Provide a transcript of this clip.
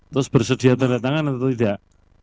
terus bersedia tanda tangan atau tidak